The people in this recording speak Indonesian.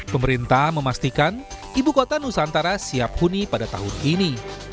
pemerintah memastikan ibu kota nusantara siap huni pada tahun ini